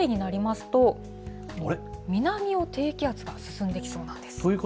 そしてあさってになりますと、南を低気圧が進んできそうなんです。